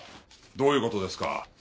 どういう事ですか？